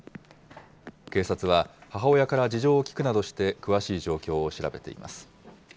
警察は母親から事情を聞くなどして、詳しい状況を調べています。